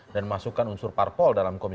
dan masukkan unsur parpol dalam komisi dua